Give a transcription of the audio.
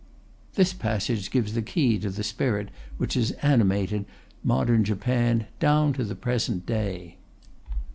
This passage gives the key to the spirit which has animated modern Japan down to the present day.